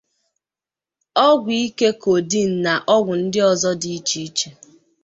ọgwụ ike Cordeine na ọgwụ ndị ọzọ dị iche iche